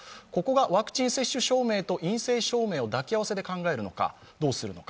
ワクチン接種証明と陰性証明を抱き合わせで考えるのかどうするのか。